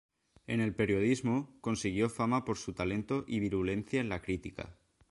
En el periodismo, consiguió fama por su talento y virulencia en la crítica.